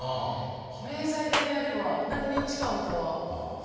保冷剤でやれば何日間かはいける。